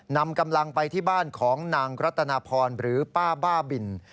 นำกำลังไปที่บ้านของนางรัตนาพรหรือป้าบ้าบิน